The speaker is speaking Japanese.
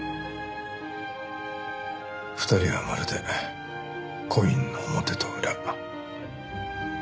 ２人はまるでコインの表と裏。